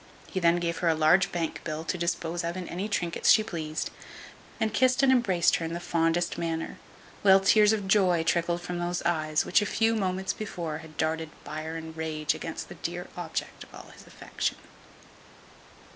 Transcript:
He then gave her a large bank bill to dispose of in any trinkets she pleased, and kissed and embraced her in the fondest manner, while tears of joy trickled from those eyes which a few moments before had darted fire and rage against the dear object of all his affection.